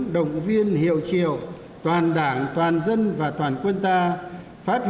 đồng viên hiệu triệu toàn đảng toàn dân và toàn quân ta